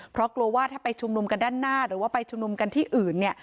เพราะกลัวว่าถ้าไปชุมนุมกันด้านหน้าหรือว่าไปชุมนุมกันที่อื่นเนี่ย